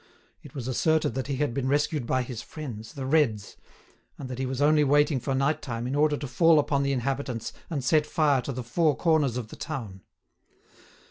It was asserted that he had been rescued by his friends, the Reds, and that he was only waiting for nighttime in order to fall upon the inhabitants and set fire to the four corners of the town.